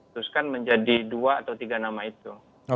teruskan menjadi dua atau tiga nama itu